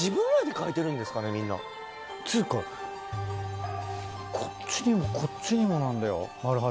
っつうかこっちにもこっちにもなんだよマル八。